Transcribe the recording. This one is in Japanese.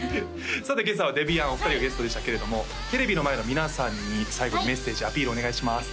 さて今朝はデビアンお二人がゲストでしたけれどもテレビの前の皆さんに最後メッセージアピールお願いします